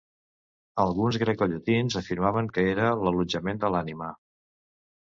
Alguns grecollatins afirmaven que era l'allotjament de l'ànima.